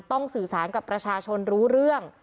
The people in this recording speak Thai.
สื่อสารกับประชาชนรู้เรื่อง